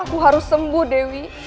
aku harus sembuh dewi